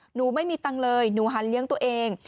หนูไม่มีตังค์เลยหนูหันเลี้ยงตัวเอง